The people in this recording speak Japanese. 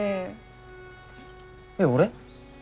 えっ俺？